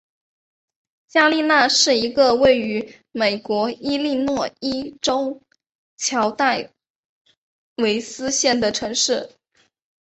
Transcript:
加利纳是一个位于美国伊利诺伊州乔戴维斯县的城市。